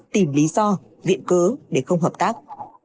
tìm lý do viện cớ để không hợp tác